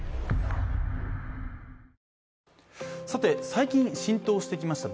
最近、浸透してきました